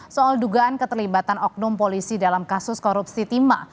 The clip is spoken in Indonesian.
soal dugaan keterlibatan oknum polisi dalam kasus korupsi timah